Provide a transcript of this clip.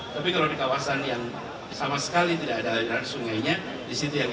tapi kalau di kawasan yang sama sekali tidak ada aliran sungainya di situ